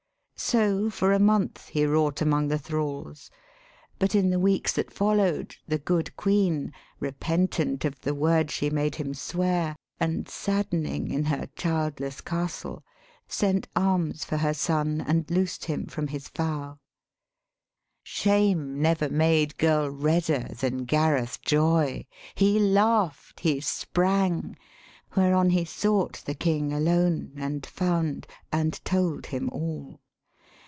So for a month he wrought among the thralls; But in the weeks that follow'd, the good Queen, Repentant of the word she made him swear, And saddening in her childless castle, sent Arms for her son, and loosed him from his vow. Shame never made girl redder than Gareth joy. He laugh'd; he sprang. Whereon he sought The King alone, and found, and told him all.